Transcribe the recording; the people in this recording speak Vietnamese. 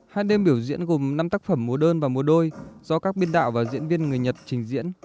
hai đêm biểu diễn gồm năm tác phẩm múa đơn và múa đôi do các biên đạo và diễn viên người nhật trình diễn